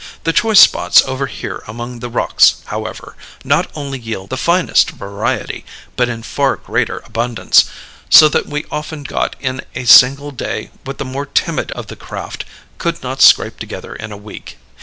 The choice spots over here among the rocks, however, not only yield the finest variety, but in far greater abundance; so that we often got in a single day what the more timid of the craft could not scrape together in a week.